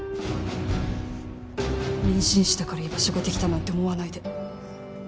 妊娠したから居場所ができたなんて思わないで。